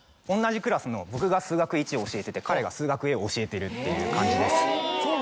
同じクラスの僕が数学Ⅰを教えてて彼が数学Ａを教えてるっていう感じです。